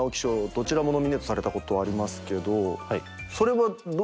どちらもノミネートされたことありますけどそれはどうですか？